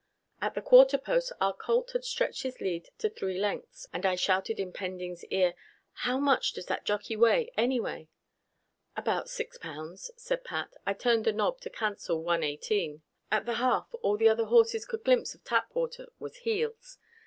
At the quarter post our colt had stretched his lead to three lengths, and I shouted in Pending's ear, "How much does that jockey weigh, anyway?" "About six pounds," said Pat. "I turned the knob to cancel one eighteen." At the half, all the other horses could glimpse of Tapwater was heels.